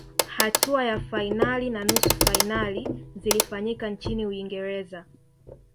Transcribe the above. hatua ya fainali na nusu fainali zilifanyika nchini uingereza